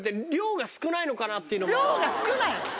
量が少ない！？